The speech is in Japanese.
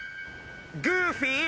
グーフィー。